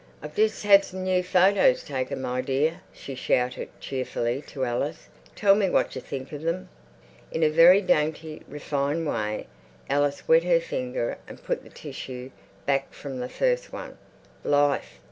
"I've just had some new photers taken, my dear," she shouted cheerfully to Alice. "Tell me what you think of them." In a very dainty, refined way Alice wet her finger and put the tissue back from the first one. Life!